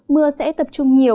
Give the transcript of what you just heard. mưa sẽ tập trung nhiều